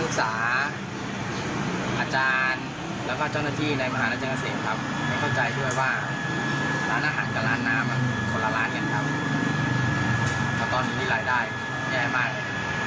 แล้วขอความดูใจพวกนักศึกษาอาจารย์แล้วก็เจ้าหน้าที่ในมหาวิทยาลัยราชพัฒน์จันทร์เกษมครับให้เข้าใจด้วยว่าร้านอาหารกับร้านน้ำมันคนละร้านกันครับแล้วก็ตอนนี้รายได้แย่มากเลย